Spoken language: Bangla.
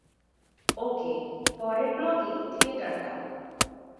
ওকে, পরের ব্লকেই থিয়েটারটা।